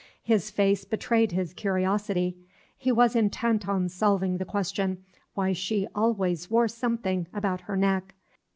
His face betrayed his curiosity; he was intent on solving the question, why she always wore something about her neck.